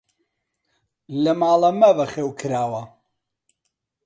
لە ماڵە مە بەخێو کراوە!